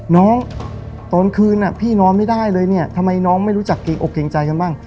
น้องตอนคืนพี่นอนไม่ได้เลยเนี่ยทำไมน้องไม่รู้จักเกรงอกเกรงใจกันบ้าง